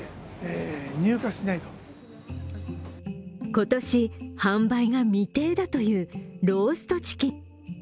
今年、販売が未定だというローストチキン。